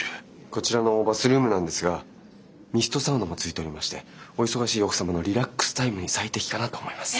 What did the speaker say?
こちらのバスルームなんですがミストサウナもついておりましてお忙しい奥様のリラックスタイムに最適かなと思います。